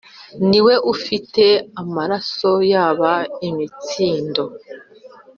niwe ufite amaraso yaba imitsindo